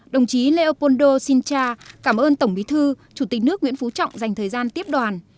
đồng chí neopoldo sincha cảm ơn tổng bí thư chủ tịch nước nguyễn phú trọng dành thời gian tiếp đoàn